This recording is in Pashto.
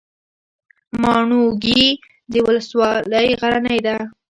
ماڼوګي ولسوالۍ غرنۍ ده؟